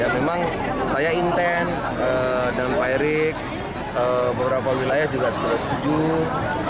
memang saya intent dengan pak erik beberapa wilayah juga sembilan tujuh